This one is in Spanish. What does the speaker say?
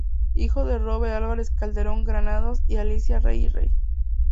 Hijo de Roberto Álvarez Calderón Granados y Alicia Rey y Rey.